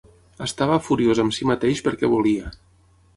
Estava furiós amb si mateix perquè volia.